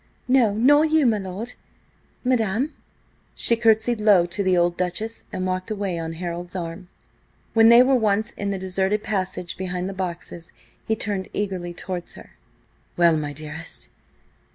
No, nor you, my lord! Madam—" She curtsied low to the old Duchess and walked away on Harold's arm. When they were once in the deserted passage behind the boxes, he turned eagerly towards her. "Well, my dearest?